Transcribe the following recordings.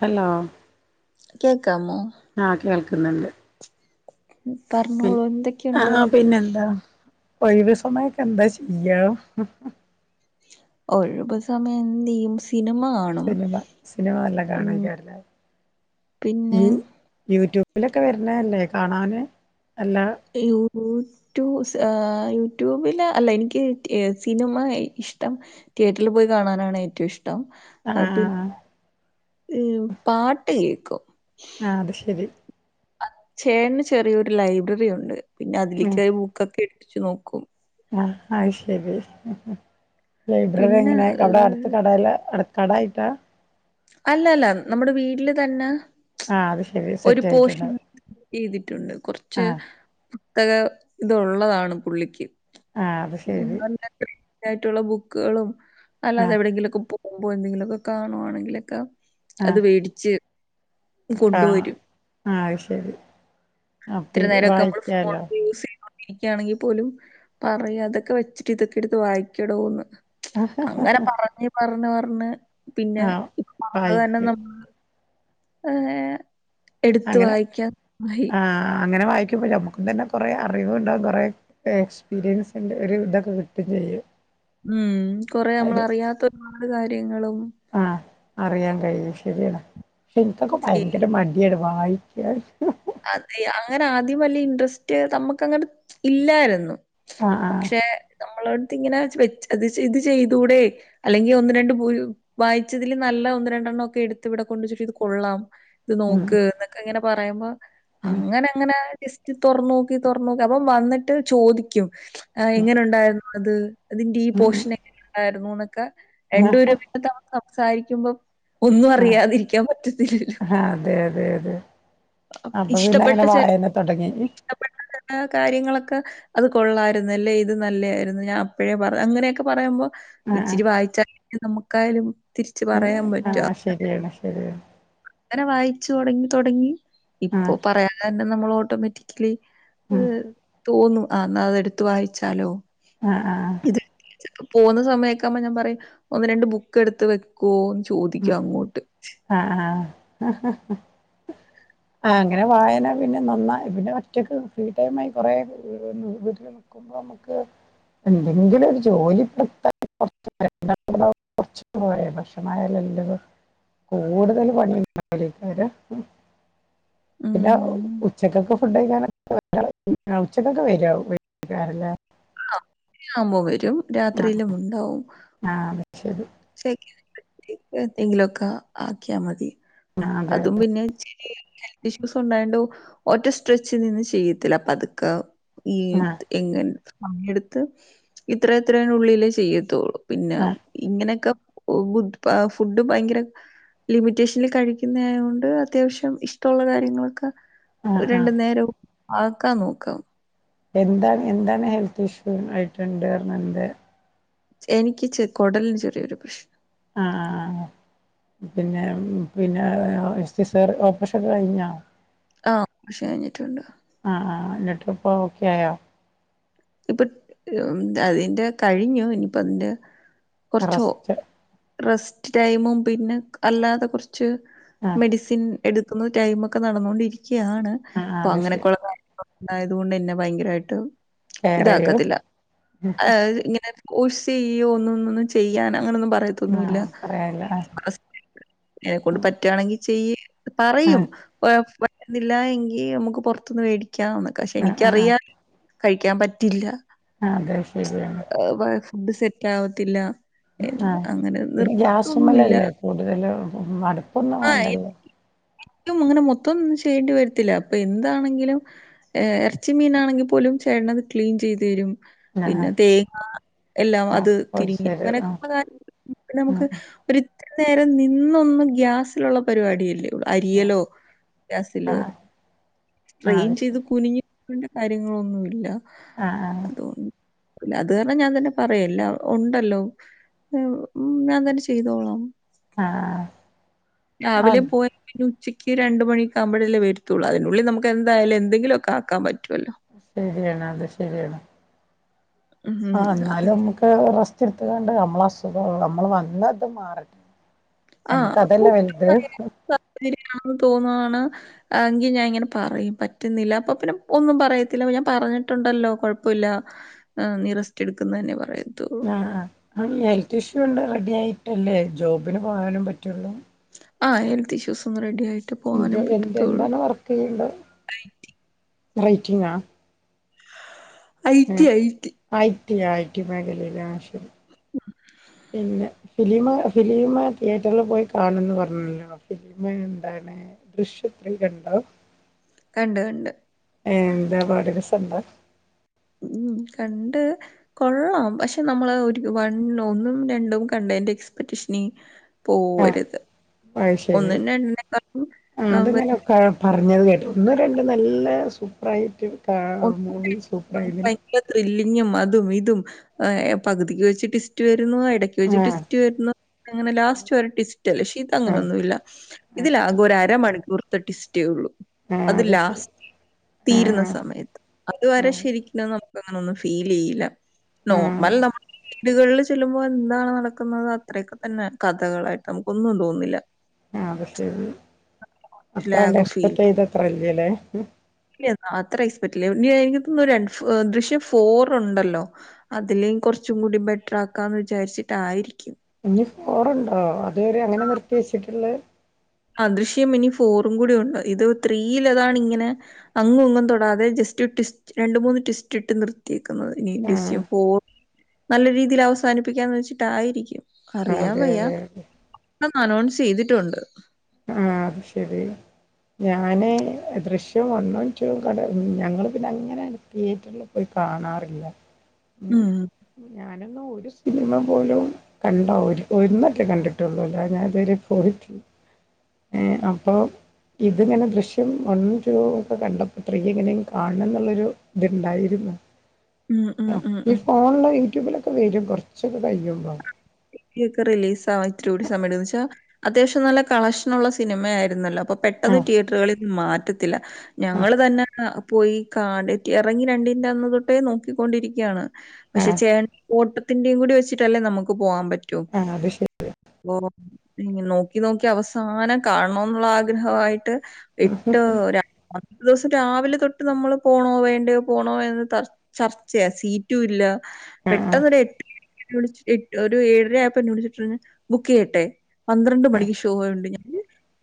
Hello കേക്ക് ആ കേൾക്കുന്നുണ്ട് പറഞ്ഞോളൂ എന്തൊക്കെയുണ്ട് ആഹ പിന്നെന്താ ഒഴിവ സമയൊക്കെ എന്താ ചെയ്യാ ഉം ഉം ഒഴിവ് സമയം എന്ത് യൂസ് സിനിമ സിനിമ നല്ലം ഉം, കാണയ്ക്കാരംലെ പിന്നെ യു യൂട്യൂബിലൊക്കെ വരണ അല്ലേ കാണാന് അല്ല യൂട്യൂ ഹേ ഹ് യൂട്യൂബില് അല്ല എനിക്ക് സിനിമ ഇഷ്ടം തിയേറ്ററിൽ പോയി കാണാനാണ് ഏറ്റവും ഇഷ്ടം ആ ട്ടം പിന്നെ പാട്ട് കേൾക്കും ആ അത് ശരി ചേട്ടൻ ചെറിയൊരു ലൈബ്രറി ഉണ്ട് പിന്നെ അതിൽക്ക് ഉം കേറി ബുക്കൊക്കെ ഇട്ടിട്ടുനോക്കും ആ അയ്ശരി ലൈബ്രറി പിന്നെ എങ്ങനെ അവിടെ അടുത്ത ഏഹ് കടെലാ കടായിയിട്ടാ അല്ല അല്ല നമ്മുടെ വീട്ടില് തന്നെ ആ അത് ശരി ഒരു സെറ്റ് ആയിട്ടുണ്ട് പോർശൻ ചെയ്തിട്ടുണ്ട് ആ കുറച്ച് പുസ്തക ഇതുള്ളതാണ് പുള്ളിക്ക് ആ അത് ശരി നല്ലതായിട്ടുള്ള ബുക്കുകളും ആ അല്ലാതെവിടെയെങ്കിലുംക്കെ പോവുമ്പോ എന്തെങ്കിലുമൊക്കെ കാണുവാണെങ്കിലൊക്കെ ആ അത് വേടിച്ച് കൊണ്ട് വരും ആഹ അയ്ശരി ഇത്തിരി നേരോക്കെ നമ്മൾ ഫോൺ യൂസ് ചെയ്ണോണ്ട് ഇരിക്കിയാണെങ്കിൽ പോലും പറയും അതൊക്കെ വെച്ചിട്ട് ഇതൊക്കെ എടുത്ത് വായിക്കടോന്ന് അങ്ങനെ പറഞ്ഞ് പറഞ് പറഞ്ഞ് പിന്നെ ആ ഇപ്പ ആക തന്നെ വായിക്കും നമ്മള് ഏർ എടുത്ത അങ്ങനെ വായിക്കാൻഹയി ഇക്കും നമ്മുക്കും തന്നെ കൊറേ അറിവ ഉണ്ടാവും കുറ എക്സ്പീരിയൻസ് ഇതൊക്കെ കിട്ടും ചെയ്യും ഉം കൊറെ നമ്മൾ അറിയാ ആഹ അറിയാൻ കഴിയും ശരിയാണ് പക്ഷെ എനിക്കൊക്കെ ഭയങ്കര മടിയട വായിക്ക അതി ആ ആഹ് ആഹ് പക്ഷെ നമ്മള് ഇങ്ങനെ ഇത് ചെയ്ത്തൂടെ അല്ലെങ്കിൽ ഒന്ന് രണ്ട് വായിച്ചതിൽ നല്ല ഒന്ന് രണ്ട് ഒക്കെ എടുത്ത് ഇവിടെ കൊണ്ട വച്ചട്ട് ഇത് കൊള്ളാം ഇത് ഉം നോക്ക് എന്നൊക്കെ ഇങ്ങനെ പറയുമ്പോ ഉം അങ്ങനെ അങ്ങനെ ടെസ്റ്റ് തുറു നോക്കി തുറ നോക്കി അപ്പം വന്നിട്ട് ചോദിക്കും എങ്ങനെ ഉണ്ടായിരുന്നു അ അതിന്റെ ഈ ഉം പോർഷൻ എങ്ങനെ ഉണ്ടായിരുന്നു എന്നൊക്കെ ഉം എണ്ട ആഹ് ഒരുരുമന ത സംസാരിക്കുമ്പം ഒന്നും ആഹ് അറിയാതിരിക്കാൻ പറ്റത്തില്ലല്ലോ ആഹ് അതെ അതെ അതെ അപ് അപ്പൊ പിന്നെ ഇഷ്ടപ്പെട്ട അങ്ങനെ ചെൽ വായന തുടങ്ങി കാര്യങ്ങളൊക്കെ അത് കൊള്ളാമായിരുന്നല്ലെ ഇത് നല്ലതായിരുന്നു ഞാൻ അപ്പോഴേ അങ്ങനെയൊക്കെ പറയുമ്പോൾ ആഹ് ആഹ് ഇച്ചിരി വായിച്ചാല നമുക്കായാലും തിരിച്ച് പറയാൻ പറ്റു അ ആഹ് ശരിയാണ് ശരിയാണ് വായിച്ചു തുടങ്ങി തുൊടങ്ങി ഇപ്പോൊ ആഹ് പറയാതെ തന്നെ നമ്മൾ ഓട്ടോമാറ്റിക്കലി ഉം ഏർ തോന്നും ആ എന്നാൽ അത എടുത്ത വായിച്ചാലോ ആഹ ആഹ ഇതെടുത്ത് പോകുന്ന സമയൊക്കെകുമ്പോ ഞാൻ പറയും ഒന്ന് രണ്ട് ബുക്ക് എടുത്ത് വെക്കുവോന്ന് ചോദിക്കും അങ്ങോട്ട് ആഹ ആഹ ആഹ അങ്ങനെ വായന പിന്നെ നന്നായി പിന്നെ ഒറ്റക്ക് ഫ്രീ ടൈ ആ കൊറെേ വീട്ട ന നമുക്ക് എന്തെങ്കിലും ഒരു ജോലിപ്പെടുത്താണ്ട കുറച്ച കുയ ഭക്ഷണമായാലല്ലവ കൂടുതൽ പണിക്ക പിന്നെ ഉച്ചക്കൊക്കെ ഫുഡ് കഴിക്കാനൊെ ഉച്ചക്കൊക്കെ വാറ അ ആവുമ്പോം വരും രാത്രിയിലും ഉണ്ടാവും ആ, അത് ശരി ച്ചന്തങ്കിലുംൊക്കെ ആക്കിയാൽ മതി ആ അതെ അതും പിന്നെ ഹെൽത്ത് ഇഷ്യൂസ് ഉണ്ടായണ്ടോ ഒറ്റ സ്ട്രെച്ച് നിന്നന്ന് ചെയ്യത്തില്ല അപ്പ അതക്കെ ഈ ആ എങ്ങെ സമയ എടുത്ത് ഇത്ര എത്രേനുള്ളിലേ ചെയ്യത്തുള്ളൂ പിന്നെ ആ ഇങ്ങനെയൊക്കെ ഫുഡ് ഭയങ്കര ലിമിറ്റേഷനിൽ കഴിക്കുന്നായ കൊണ്ട് അത്യാവശ്യം ഇഷ്ടമുള്ള കാര്യങ്ങളൊക്കെ ആ ആ രണ്ടു നേരവും ആക്കാ നോക്കാം എന്താണ് എന്താണ് ഹെൽത്ത് ഇഷ്യൂ ആയിട്ടുണ്ട്ഡാന്ത് എനിക്ക് ച കൊടലിന് ചെറിയൊരു പ്രശ്നം ആഹ പിന്നെ പിന്നെ ഓപ്പറേഷൻ ഒക്കെ കഴിഞ്ഞ ആഹ കഷി കഴിഞ്ഞിട്ടുണ്ട് ആഹ ആ എന്നിട്ട്പ്പ ഓക്കെ ആായോ ഇപ്പൊ അതിന്റെ കഴിഞ്ഞു ഇനിപ്പ അതിന്റെ കുറച്ച് അറസ്റ്റ് റെസ്റ്റ് ടൈമും പിന്നെ അല്ലാതെ കുറച്ച് ആ ആ മെഡിസിൻ എടുത്തുന്ന ടൈം ഒക്കെ നടന്നൊണ്ടിരിക്കുകയാണ് ആ, അപ്പൊ അത് ശരി അങ്ങനെയൊക്കെയ ഉള്ള ഇണ്ടായത്കൊണ്ട്ന്നെ ഭയങ്കരമായിട്ട് കെയർ ചെയ്യും ഇതാക്കത്തില്ല ഇങ്ങനെ ചെയ്യോ ഒന്നന്ന ഒന്നും ചെയ്യാൻ അങ്ങനെന്ന ആ പറയത്തൊന്നുമല്ല പറയാനില്ല ആ, ആ എന്നെക്കൊണ്ട് പറ്റുകവാണെങ്കിൽ ചെയ്യ പറയും ആഹ് വരുന്നില്ല എങ്കിൽ നമുക്ക് പുറത്തുന്ന് മേടിക്ക കഴിക്കന്ന് പക്ഷെ ആഹ് ആഹ് ആഹ് എനിക്കറിയാ കഴിക്കാൻ പറ്റില്ല അതെ ശരിയാണ് ഫുഡ് സെറ്റാവത്തില്ല ആ പിന്നെ ഗ്യാസുമലല്ലേ കൂടുതല് മടുപ്പൊന്നും ആഹ് വേണ്ടല്ലോ അങ്ങനെ മൊത്തം ഒന്നും ചെയ്യേണ്ടി വരത്തില്ല അപ്പൊ എന്താണെങ്കിലും ഇറച്ചി മീനാണെങ്കിൽ പോലും ചേട്ടനത് ക്ലീൻ ചെയ്തു തരും പിന്നെ ആഹ് തേങ്ങ എല്ലാം ആഹ് അത് തിരിഞ്ഞ് ശരി ആഹ് അങ്ങനെയൊക്കെള്ള കാര്യങ്ങള് ഉം നമുക്ക് ഒരു ഒത്തിരി നേരം നിന്നൊന്നും ഗ്യാസിലുള്ള പരിപാടീല്ല ആഹ് അരിയലോ ഗ്യാസിലോ ആഹ് ആഹ് സ്ട്രെയിൻ അത് ചെയ്ത് ശരി കുനിഞ്ഞ് ണ്ട് കാര്യങ്ങളൊന്നൂല ആ ആ അത് കാരണം ഞാൻ തന്നെ പറയൂല ഉണ്ടല്ലോ ഉം ഞാൻ തന്നെ ചെയ്തോളാം ആഹ് രാവിലെ ആഹ് പോയ [inaudible] ഉച്ചക്ക് രണ്ട് മണി ഒക്കെ ആവുമ്പോഴല്ലേ വരത്തുള്ളൂ അതിനുള്ളിൽ നമുക്ക് എന്തായാലും എന്തെങ്കിലൊക്കെ ആക്കാൻ പറ്റുവല്ലോ? ശരിയാണ് അത് ശരിയാണ് ഉം. ആ അതെ. എന്നാലും നമുക്ക് റസ്റ്റ് ചിരിത്ത [unintelligible] കണ്ട് നമ്മള അസുഖം നമ്മൾ വന്നത് മാറട്ടെ ആ നമ്മക്ക് അതല്ലേ വലുത് ഒട്ടുംയാ [inaudible] തോന്നുവാണ് എങ്കിൽ ഞാൻ ഇങ്ങനെ പറയും പറ്റുന്നില്ല അപ്പൊ പിന്നെ ഒന്നും പറയത്തില്ല ഞാൻ പറ പറഞ്ഞിട്ടുണ്ടല്ലോ കുഴപ്പൂല നീ റസ്റ്റ് എടുക്ക് എന്ന് തന്നെ പറയത്തുള്ളൂ ആ ഹെൽത്ത് ഇഷ്യൂ ഉണ്ട് റെഡി ആയിട്ടല്ലേ ജോബിന് പോകാനും പറ്റുള്ളൂ ആ ഹെൽത്ത് ഇഷ്യൂസ് ഒന്ന് റെഡി ആയി എ എ എന്താണ് വർക്ക് ചെയ്യണ്ടേ റൈറ്റിങ്ങാ ഐറ്റി ഐറ്റി ഐറ്റി മേഖലയിലാ ആ ശരി പിന്നെ ഫിലീമ് ഫിലീമ് തിയേറ്ററിൽ പോയി കാണുംന്ന് പറഞ്ഞല്ലോ ഫിലീമ് എന്താണ് ദൃശ്യം ത്രീ കണ്ടോ? കണ്ട് കണ്ട്. ഏ എന്താ പാട് രസണ്ടാ ഉം കണ്ട് കൊള്ളാം പക്ഷെ നമ്മള് ഒരു വൺ ഒന്നും രണ്ടും കണ്ടേൻ്റെ എക്സ്പെറ്റേഷനിൽ പോവരുത് ആ ശരി ഒന്നിനും രണ്ടിനേക്കാളും ആ ആഹ് അതങ്ങനെ വലുതാ പറഞ്ഞത് കേട്ടൂ ണ്ട് നല്ല സൂപ്പറായിട്ട് കാണാം മൂവി സൂപ്പറായി [unintelligible] കഞ്ഞം അതും ഇതും ഏ പകുതിക്ക് വെച്ചിട്ട് ട്വിസ്റ്റ് വരുന്നു ഇടയ്ക്ക് വെച്ചിട്ട് ആഹ് ട്വിസ്റ്റ് വരുന്നു അങ്ങനെ ലാസ്റ്റ് ഒരു ട്വിസ്റ്റ് അല്ലേ പക്ഷേ ആഹ് ഇതങ്ങനൊന്നൂല അത് ശരി ഇതിലാകെ ഒരരമണിക്കൂർ ട്വിസ്റ്റേ ഇള്ളൂ ആഹ് അത് ശരി ലാസ്റ്റ് തീരുന്ന ആഹ് സമയത്ത് അതുവരെ ആഹ് ശരിക്കും നമുക്ക് അങ്ങനൊന്നും ഫീലെയ്യില്ല ആഹ് നോർമൽ നമ്മ വീടുകളിൽ ചെല്ലുമ്പോൾ എന്താണ് നടക്കുന്നത് അത്രൊക്കെ തന്നെ കഥകളായിട്ട് നമുക്കൊന്നും തോന്നില്ല ആ അത് ശരി അത്രണ്ട് ലാഗ് ഫീൽ എക്സ്പെക്ട് ചെയ്തത്ര ഇല്ലല്ലേ ഇല്ല അത്ര എക്സ്പെക്ടില്ലേ എ [unintelligible] നിക്ക് ര ദൃശ്യം ഫോർ ഉണ്ടല്ലോ അതില് കുറച്ചും കൂടി ബെറ്റർ ആക്കാ എന്ന് വിചാരിച്ചിട്ടായിരിക്കും ഇനി ഫോറുണ്ടോ അതുവരെ അങ്ങനെയാ നിർത്തിവെച്ചിട്ടിള്ളത് ആ ദൃശ്യം ഇനി ഫോറും കൂടി ഉണ്ട് ഇത് ത്രീയിൽ അതാണ് ഇങ്ങനെ അങ്ങും ഇങ്ങും തൊടാതെ ജസ്റ്റ് രണ്ട് മൂന്ന് ട്വിസ്റ്റ് ഇട്ട് നിർത്തിയേക്കുന്നത് ഇനി ആഹ് ദൃശ്യം ഫോർ നല്ല രീതിയിൽ അവസാനിപ്പിക്കാന്ന് വെച്ചിട്ടായിരിക്കും അതെ അതെ അതെ ഇന്ന് അനൗൺസ് ചെയ്തിട്ടുണ്ട് ആ അത് ശരി ഞാന് ദൃശ്യം വണ്ണും ടുവും കണ്ട് ഞങ്ങള് പിന്നെ അങ്ങനെ തിയേറ്ററില് പോയി കാണാറില്ല ഉം ഞാനൊന്നും ഒരു സി സിനിമ പോലും കണ്ടാ ഒരു ഒന്നട്ടേ കണ്ടിട്ടുള്ളൂ അല്ലാതെ ഞാ ഇതുവരെ പോയിട്ടില്ല ഏ അപ്പൊ ഇത്ങ്ങനെ ദൃശ്യം വൺ ടു ഒക്കെ കണ്ടപ്പോ ത്രീ എങ്ങനെയും കാണ എന്നുള്ളരു ഇത്ണ്ടായിും ഉം, ഉം, ഉ ഉം, ഈ ഉം. ഫോണുള്ള യൂട്യൂബിലൊക്കെ വരും കുറച്ചൊക്കെ കഴിയുമ്പോ ഒക്കെ റിലീസ് ആവാൻ ഇത്തിരി കൂടി സമയംന്ന് വെച്ചാൽ അത്യാവശ്യം നല്ല കളക്ഷൻ ഉള്ള സിനിമയായിരുന്നല്ലോ അപ്പൊ പെട്ടെന്ന് ആഹ് തിയേറ്ററുകളിൽന്നും മാറ്റത്തില്ല ആഹ് ഞങ്ങള് തന്നെ പോയി കാ ഇറങ്ങി രണ്ടിൻന്റെറെ അന്ന തൊട്ടേ നോക്കിക്കൊണ്ടിരിക്കുകയാണ് പക്ഷെ ആഹ് ചേട്ട ത്തിന്റെയും കൂടി വെച്ചിട്ടല്ലേ നമുക്ക് പോവാാൻ പറ്റോ ആഹ് അത് ശരി അ നോക്കി നോക്കി അവസാനം കാണണം എന്നുള്ള ആഗ്രഹയിട്ട് എട്ട് ദിവസം രാവിലെ തൊട്ട് നമ്മള് പോണോ വേണ്ടയോ പോണോ എന്ന് ചർച്ചയാ സീറ്റും ഇല്ല ആഹ് ആഹ് പെട്ടെന്ന്രു എട്ട വി് ഒരു ഏഴര ആപ്പ് എന്ന വിളിച്ചിട്ട ബുക്ക് ചെയ്യട്ടെ പന്ത്രണ്ട് മണിക്ക് ഷോ ഉണ്ട് ഞാൻ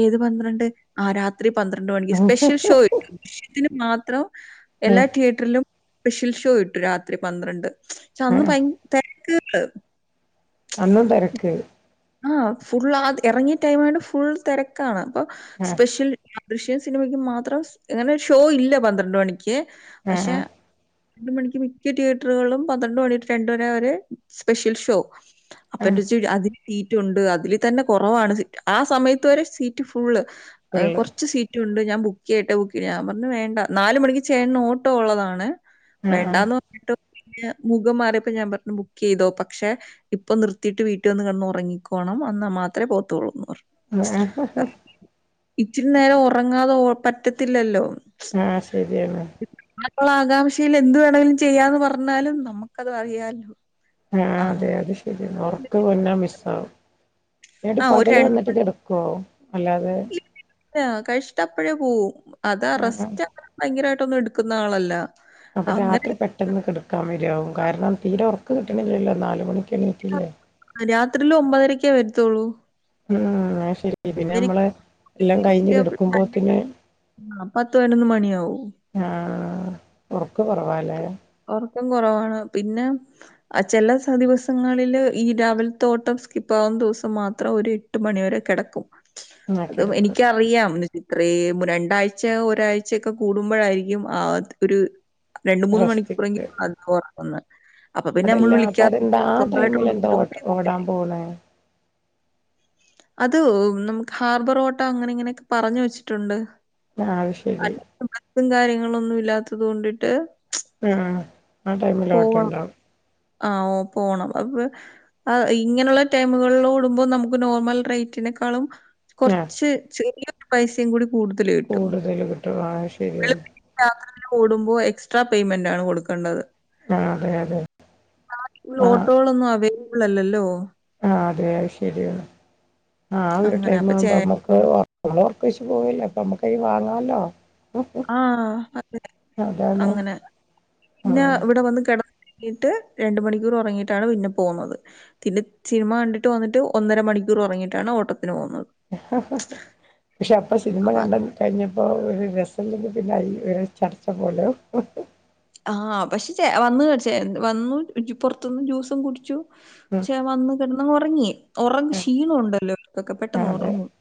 ഏത് പന്ത്രണ്ട് ആ രാത്രി പന്ത്രണ്ട് മണിക്ക് ആഹ് സ്പെഷ്യൽ ഷോ കട്ടു വിഷ്യത്തിന് മാത്രം ആഹ് എല്ലാ ആഹ് തിയേറ്ററിലും പഷിൽഷോ ഇട്ടു രാത്രി പന്ത്രണ്ട് പക്ഷ അന്ന് ആഹ് ഭ തിരക്ക് അന്നും തരക്ക് ആഹ ഫുൾ ആ ഇറങ്ങിയ ടൈംമായിട്ട് ഫുൾ തിരക്കാണ് അപ്പൊ ആഹ് സ്പെഷ്യൽ ദൃഷ്യൻ സിനിമയ്ക്ക് മാത്രം എങ്ങനെ ഒരു ഷോ ഇല്ല പന്ത്രണ്ട് മണിക്ക് പക്ഷെ ആഹ് രണ്ട മണിക്ക് മിക്ക തിയേറ്ററുകളിലും പന്ത്രണ്ട് മണി രണ്ട വരെ അവ ഒരു സ്പെഷ്യൽ ഷോ അപ്പ ആഹ് എന്റെ ചച്ചി അതില് സീറ്റ് ഉണ്ട് അതില് തന്നെ കുറവാണ് ആ സമയത്ത് വരെ സീറ്റ് ഫുള്ള് ഫുള്ള് കുറച്ച് സീറ്റ് ഉണ്ട് ഞാൻ ബുക്ക് ചെയ്യട്ടെ ബുക്ക് ചെയ്യഞ്ഞന്ന് വേണ്ട നാല് മണി ചേന്ന് ഓട്ടോ ഉള്ളതാണ് ആഹ് വേണ്ടാന്ന് പറഞ്ഞിട്ട് പിന്നെ മുഖം മാറിയപ്പോ ഞാൻ പറഞ്ഞു ബുക്ക് ചെയ്തോ പക്ഷെ ഇപ്പൊ നിർത്തിയിട്ട് വീട്ടിൽ വന്ന് കണ്ടോ ഉറങ്ങിക്കോണം എന്നാൽ മാത്രമേ പോത്തുള്ളൂ ആഹ് ഇച്ചിരി നേരം ഉറങ്ങാതെ പറ്റത്തില്ലല്ലോ ആഹ് ശരിയെന്നാ ഇപ്പോൾ ആകാംക്ഷയിൽ എന്ത് വേണമെങ്കിലും ചെയ്യാന്ന് പറഞ്ഞാലും നമുക്കത് അറിയാല്ലോ ആഹ് അതെ അത് ശരിയ ഉറക്ക് വന്നാ മിസ്സ ആകും ഏട്ട് ആ ഒരു പകല് വന്നിട്ട് മണിക്ക് കെടക്കോ അല്ലാതെ അല്ല കഴിച്ചിട്ട് അപ്പഴേ പോവും അത് ആഹ് ആഹ് അറസ്റ്റ് അങ്ങ ഭയങ്കരമായിട്ടൊന്നും എടുക്കുന്ന ആളല്ല അപ്പൊ അങ്ങനെ രാത്രി പെട്ടെന്ന് കെടക്കാൻ വരോ കാരണം തീരെ ഉറക്ക് കിട്ടണില്ലല്ലോ നാല് മണിക്ക് എണീക്കില്ലേ രാത്രില ഒമ്പതരക്കേ വരുത്തുള്ളൂ ഉം ശരി പിന്നെ നമ്മള് എല്ലാം കഴിഞ്ഞഞ് കഴിച്ചിട്ട് കിടക്കുമ്പോത്തിനെ മണിയാവും. ആഹ് ഒറക്ക് കൊറവാലേ കുറവാണ് പിന്നെ ചില ദിവസങ്ങളില് ഈ രാവിൽ തോട്ടം സ്കിപ്പ് ആകും ദിവസം മാത്രം ഒര് എട്ട് മണി വരെ കെടക്കും ആഹ് അത് കിടക്കും എനിക്കറിയാം ഇത്ര രണ്ടാഴ്ച ഒരാഴ്ചയ ഒക്കെ കൂടുമ്പോഴായിരിക്കും ആഹ് ഒരു രണ്ട് മൂന്ന് റസ്റ്റ് മണിക്കൂറെങ്കും കിട്ടും അതാ ഒറങ്ങുന്നേ അതല്ല അപ്പൊ അതെന്താ ആ ടൈമിൽ എന്താ ഓ പോട്ടേന്ന് ഓടാൻ വിചാരിക്കും. പോണേ അതോ നമുക്ക് ഹാർബർ ഓട്ടോ അങ്ങനെ ഇങ്ങനെയൊക്കെ പറഞ്ഞ വെച്ചിട്ടുണ്ട്- ആഹ് അയ് ശരി- ും കാര്യങ്ങളൊന്നും ഇല്ലാത്തത് കൊണ്ടിട്ട്- ആഹ് ആ പോവാ ടൈമിലോട്ടൊണ്ടാവും ആഹ് ഓ പോണം അപ്പൊ ഇങ്ങനെയുള്ള ടൈമുകളിലോടുമ്പോൾ നമുക്ക് നോർമൽ റേറ്റ്- റ്റിനേക്കാളും ആഹ് കൊർച്ച് ചെറൃരു പൈസേ കൂടി - കൂടുതല് കിട്ടും- കൂടുതൽ കിട്ടും ആ ശരിയാണ് ഓടുമ്പോ എക്സ്ട്രാ പേയ്മെന്റാണ് കൊടുക്കേണ്ടത്- ആഹ് അതെ അതെ ആഹ് ഓട്ടോകളൊന്നും അവൈലബിൾ അല്ലല്ലോ? ആഹ്അതെ ശരിയാണ്- ആഹ് ഒരു അങ്ങനെ അപ്പൊ ടൈമാവുമ്പ ചേ അമ്മക്ക് ഒറ് കൊഴിച്ച് പോവല്ലേ ഇപ്പ നമ്മുക്ക് വാങ്ങല്ലോ- ആഹ് അതെ അങ്ങനെ പിന്നെ ആഹ് ഇവിടെ വന്ന് കെട ട്ട് രണ്ട് മണിക്കൂർ ഒറങ്ങിയിട്ടാണ് പിന്നെ പോകുന്നത് പിന്നെ സിനിമ കണ്ടിട്ട് വന്നിട്ട് ഒന്നര മണി റ് ഒറങ്ങിട്ടാണ് ഓട്ട്- പക്ഷെ അപ്പൊ സിനിമ കണ്ട കഴിഞ്ഞപ്പോ- രസല്ലെങ്കി പിന്നെ ഐ ഒരു ചർച്ച പോലൊ ഓഹ് - ആഹ് പക്ഷെ ച വന്ന് വന്നു പൊറത്തുന്ന് ജ്യൂസും കുടിച്ചു ഉം ക്ഷെ വന്ന് കെട അങ് ഒറങ്ങി ഒറങ്ങ് അതെ ക്ഷീണ ൊണ്ടല്ലോ അവർക്കൊക്കെ പെട്ടെന്ന് അതെ ഒറങ്ങും-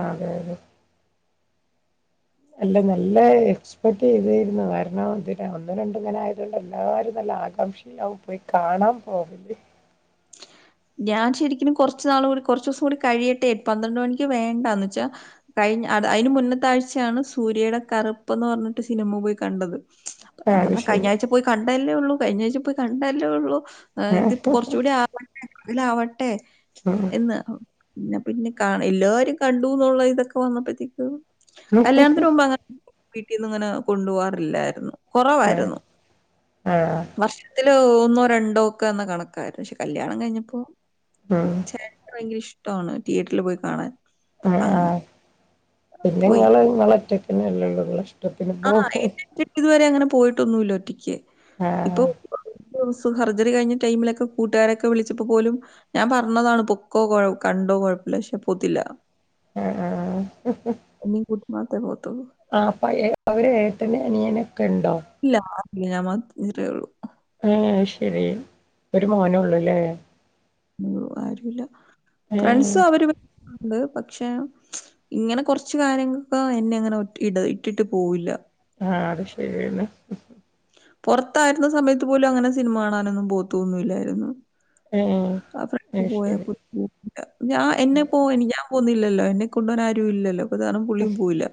അതെ അതെ അല്ല നല്ല എക്സ്പെർട് ചെയ്തിരുന്നു കാരണംതിന ഒന്നും രണ്ടും ഇങ്ങനെ ആയതോണ്ട് എല്ലാരും നല്ല- ആകാംക്ഷയിലാവു പോയി കാണാൻ പോവല്ലേ- ഞാൻ ശരിക്ക്നും കൊറ്ച്ച് നാള്കൂടി കൊറ് ചൂസ്കൂടി കഴിയട്ടെ പന്ത്രണ്ട് മണിക്ക് വേണ്ടാന്ന് വെച്ചാ- കഴിഞ്ഞ് അയ്ന് മുന്നെത്താഴ്ചയാണ് സൂര്യയുടെ കറുപ്പ്ന്ന് പറഞ്ഞിട്ട് സിനിമ പോയി കണ്ടത്- ആഹ് ഞാൻ അത് പറഞ്ഞ കഴിഞ്ഞ ശരി. ആഴ്ച പോയി കണ്ടല്ലേ ഒള്ളൂ കഴിഞ്ഞ ആഴ്ച പോയി കണ്ടല്ലേ ഒള്ളൂ- ആഹ് ഇതി കൊറേച്ചൂടി ആവട്ടെ അതിലാവട്ടെ- ആഹ് എന്ന് പിന്ന പിന്നെ കാ എല്ലാരും കണ്ടു എന്നുള്ള ഇതൊക്കെ വന്നപ്പോത്തേക്ക്- ഉം കല്യാണത്തിന് പോവുമ്പോ അങ്ങനെ വീട്ടീന്ന് അങ്ങനെ കൊണ്ടു പോവാറില്ലായിരുന്നു ആഹ് കൊറവായിരുന്നു ആഹ് വർഷത്തിൽ ഒന്നോ രണ്ടോ ഒക്കെ എന്ന കണക്കായിരുന്നു പക്ഷെ കല്യാണം കഴിഞ്ഞപ്പോ ഉം ചേട്ടന് ഭയങ്കര ഇഷ്ട ഇഷ്ടാണ് തിയേറ്ററിൽ പോയി കാണാൻ അങ്ങ് പിന്നെങ്ങള് ഇങ്ങള ഒറ്റക്കനൊള്ളു ഇങ്ങ ഇഷ്ട ആഹ് എന്ന [unintelligible] ഇതുവരെ അങ്ങനെ പോയിട്ടൊന്നുല്ല ഒറ്റക്ക് ആഹ് ആഹ് സർജറി കഴിഞ്ഞ ടൈമിലൊക്കെ കൂട്ടുകാരൊക്കെ വിളിച്ചപ്പോ പോലും ഞാൻ പറഞ്ഞതാണ് പൊക്കോ കൊഴ് കണ്ടോ ഇപ്പൊ കൊഴപ്പ്ല്ല ക്ഷെ പൂത്തില്ല എ എ എ അനിംക്കുട്ട്മാത്തെ പോ ആ പ അവര് ഏട്ടന്നെ അനിയനൊക്കെ ഇണ്ടോ ഈനാമാത് ഇത്രേ ഉള്ളൂ ആഹ് ശെരി ഒരു മോനൊള്ളൂല്ലേ യൊ ആരുല്ല ഏഹ് ഫ്രണ്ട്സ് അവര് ണ്ട് പക്ഷെ ഇങ്ങനെ കൊറ്ച്ച് കാര്യങ്ങൾക്ക എന്നെ അങ്ങനെ ഇട ഇട്ടിട്ട് പോവില്ല ആഹ്അത് ശരിയാണ് പൊറത്തായിരുന്ന സമയത്ത് പോലും അങ്ങനെ സിനിമ കാണാനൊന്നും ബോത്തൊന്നുല്ലായിരുന്നു ഏഹ് ആ ഫ്രണ്ട്സ് അത് പോയ ശരി. ഞാൻ എന്നെ പോയ ഞാൻ പോഉന്നില്ലല്ലോ എന്നെ കൊണ്ട്വോൻ ആരു ഇല്ലല്ലോ ഇപ്പൊ താണം പുള്ളിയും പോവില്ല